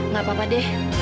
gak apa apa deh